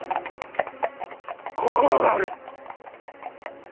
心がある！